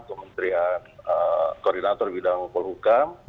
kementerian koordinator bidang polhukam